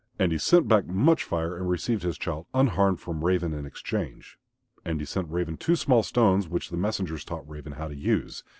And he sent back much Fire and received his child unharmed from Raven in exchange. And he sent Raven two small stones which the messengers taught Raven how to use.